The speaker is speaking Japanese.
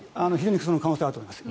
その可能性はあると思います。